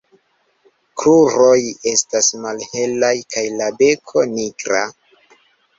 Kruroj estas malhelaj kaj la beko nigra.